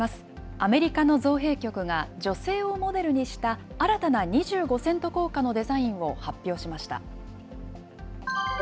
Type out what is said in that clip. アメリカの造幣局が、女性をモデルにした新たな２５セント硬貨のデザインを発表しました。